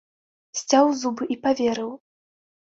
Сцяў зубы і паверыў.